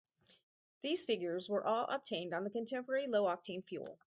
These figures were all obtained on the contemporary low octane fuel.